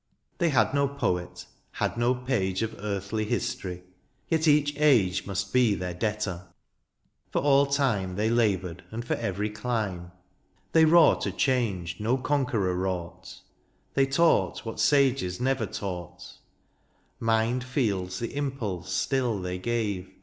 They had no poet, had no page Of earthly history, yet each age Must be their debtor ; for all time They laboured, and for every clime ; They wrought a change no conqueror wrought ; They taught what sages never taught : Mind feels the impulse stiU they gave.